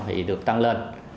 thì được tăng lên